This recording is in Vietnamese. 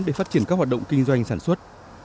để phát triển các hoạt động kinh doanh sản xuất